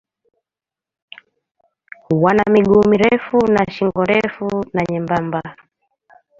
Wana miguu mirefu na shingo ndefu na nyembamba.